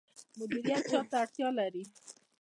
مدیریت چا ته اړتیا لري؟